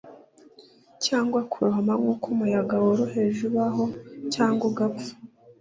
cyangwa kurohama nkuko umuyaga woroheje ubaho cyangwa ugapfa;